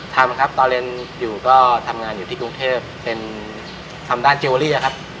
ทำครับตอนเรียนอยู่ก็ทำงานอยู่ที่กรุงเทพเป็นทำด้านเจเวอรี่ครับ